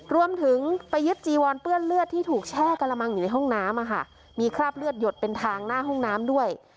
รวมถึงไปยึดจีวอนเปื้อนเลือดที่ถูกแช่กระมังอยู่ในห้องน้ำมีคราบเลือดหยดเป็นทางหน้าห้องน้ำด้วย